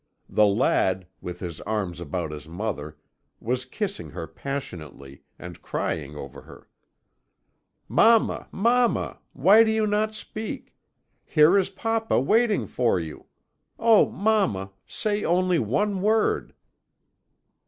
The lad, with his arms about his mother, was kissing her passionately, and crying over her. "'Mamma, mamma! why do you not speak? Here is papa waiting for you. Oh, mamma, say only one word!'